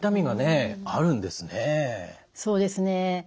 そうですね。